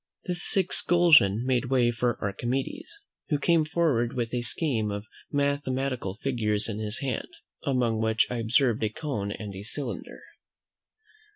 This exclusion made way for Archimedes, who came forward with a scheme of mathematical figures in his hand, among which I observed a cone and a cylinder.